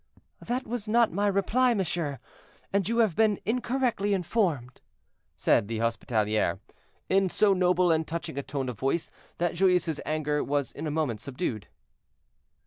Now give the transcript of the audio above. '" "That was not my reply, monsieur, and you have been incorrectly informed," said the hospitalière, in so noble and touching a tone of voice that Joyeuse's anger was in a moment subdued.